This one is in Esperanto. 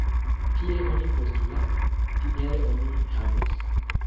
Kiel oni postulas, tiel oni havos!